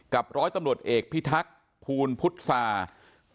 กับร้อยตำรวจเอกพิทักรกิจภูมิผู้อุปสาพรทองค์